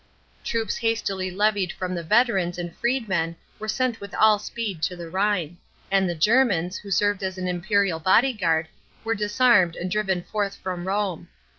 Troops hastily levied from the veterans and freedmen were sent with all speed to the Rhine; and the Germans, who served as an imperial bodyguard, were disarmed and driven forth from Rome.